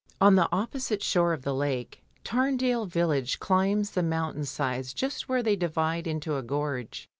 On the opposite shore of the lake, Tamdale village climbs the mountain sides just where they divide into a gorge.